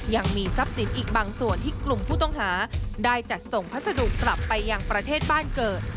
ยังมีทรัพย์สินอีกบางส่วนที่กลุ่มผู้ต้องหาได้จัดส่งพัสดุกลับไปยังประเทศบ้านเกิด